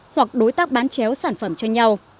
hoặc đối tác bán chéo sản phẩm cho nhau